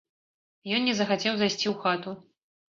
Ён не захацеў зайсці ў хату.